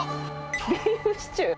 ビーフシチュー？